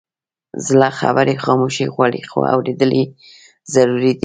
زړه خبرې خاموشي غواړي، خو اورېدل یې ضروري دي.